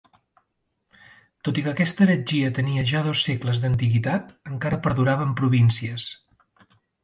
Tot i que aquesta heretgia tenia ja dos segles d'antiguitat, encara perdurava en províncies.